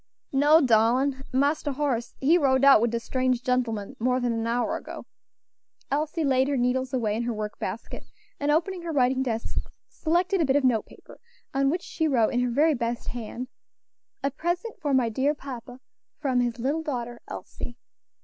"No, darlin', Marster Horace he rode out wid de strange gentlemen more than an hour ago." Elsie laid her needles away in her work basket, and opening her writing desk, selected a bit of note paper, on which she wrote in her very best hand, "A present for my dear papa, from his little daughter Elsie!"